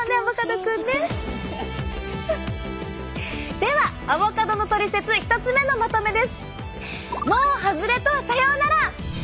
ではアボカドのトリセツ１つ目のまとめです。